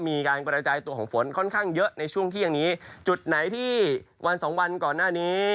มีการกระจายตัวของฝนค่อนข้างเยอะในช่วงเที่ยงนี้จุดไหนที่วันสองวันก่อนหน้านี้